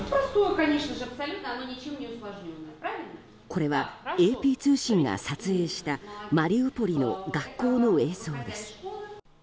これはＡＰ通信が撮影したマリウポリの学校の映像です。